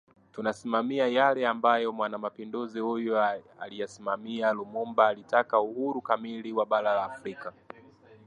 tunasimamia yale ambayo Mwanapanduzi huyu aliyasimamia Lumumba alitaka uhuru kamili wa bara la Afrika